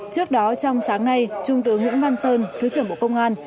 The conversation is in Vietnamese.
trước đó trong sáng nay trung tướng nguyễn văn sơn thứ trưởng bộ công an